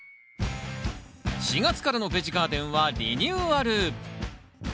４月からの「ベジガーデン」はリニューアル！